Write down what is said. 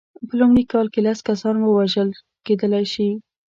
په لومړۍ کال کې لس کسان وژل کېدلای شي.